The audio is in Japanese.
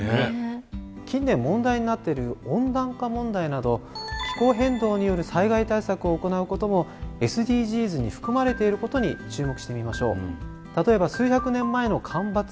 近年問題になってる温暖化問題など気候変動による災害対策を行うこともＳＤＧｓに含まれていることに注目してみましょう。